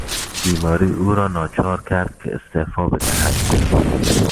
بیماری او را ناچار کرد که استعفا بدهد.